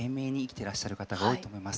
てらっしゃる方が多いと思います。